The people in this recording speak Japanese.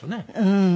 うん。